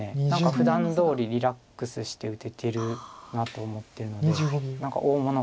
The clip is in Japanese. ふだんどおりリラックスして打ててるなと思ってるので大物感が。